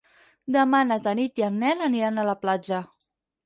Demà na Tanit i en Nel aniran a la platja.